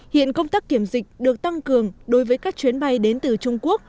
hiện công tác kiểm dịch được tăng cường đối với các chuyến bay đến từ trung quốc